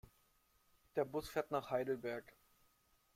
Der Bus fährt nach Heidelberg